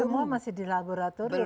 semua masih di laboratorium